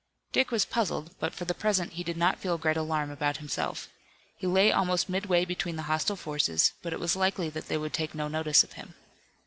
Dick was puzzled, but for the present he did not feel great alarm about himself. He lay almost midway between the hostile forces, but it was likely that they would take no notice of him.